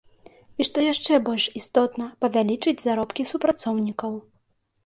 І што яшчэ больш істотна, павялічыць заробкі супрацоўнікаў.